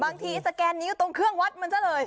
สแกนนิ้วตรงเครื่องวัดมันซะเลย